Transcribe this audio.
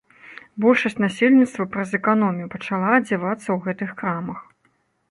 Большасць насельніцтва праз эканомію пачала адзявацца ў гэтых крамах.